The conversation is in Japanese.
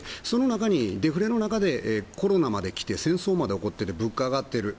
デフレの中で、コロナまできて戦争まで起こって物価も上がってる。